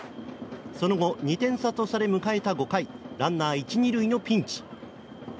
その後、２点差とされ迎えた５回ランナー１、２塁のピンチ